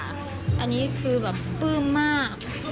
อันนี้คือแบบปลื้มมาก